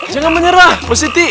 jangan nyerah pak siti